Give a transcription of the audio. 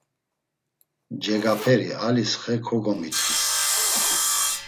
Cegaperi alis xe kogomitfi.